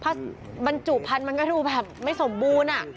ถ้าบรรจุพันธุ์มันก็ดูแบบไม่สมบูรณ์